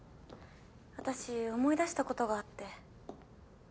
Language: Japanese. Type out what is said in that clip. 私思い出したことがあって。